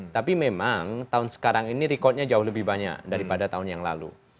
tapi memang tahun sekarang ini rekodnya jauh lebih banyak daripada tahun yang lalu